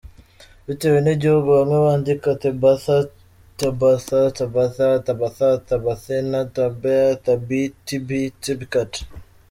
Bitewe n’igihugu bamwe bandika Tabetha, Tabytha, Tabatha, Tabahta, Tabathina, Tabea, Tabby, Tibby, Tabbycat.